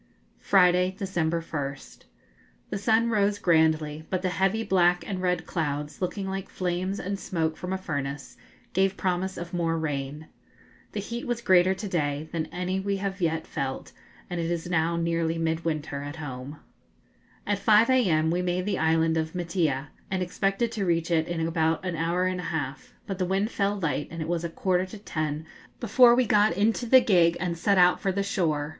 Friday, December 1st. The sun rose grandly, but the heavy black and red clouds, looking like flames and smoke from a furnace, gave promise of more rain. The heat was greater to day than any we have yet felt; and it is now nearly mid winter at home. [Illustration: Maitea.] At 5 a.m. we made the island of Maitea, and expected to reach it in about an hour and a half; but the wind fell light, and it was a quarter to ten before we got into the gig and set out for the shore.